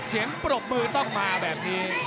เสียงปรบมือต้องมาแบบนี้